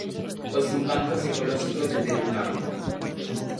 Os impactos ecolóxicos de ter un can.